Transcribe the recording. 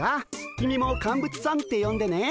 君もカンブツさんってよんでね。